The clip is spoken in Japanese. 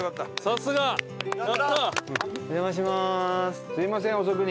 すみません遅くに。